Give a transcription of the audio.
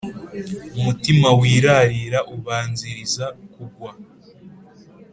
umutima wirarira ubanziriza kugwa